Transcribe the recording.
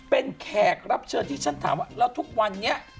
เป็นแขกรับเชิญที่ฉันถามว่าแล้วทุกวันนี้